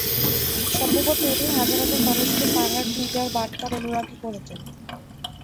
সম্ভবত এটাই হাজার হাজার মানুষকে ফারাহর টুইটার বার্তার অনুরাগী করে তোলে।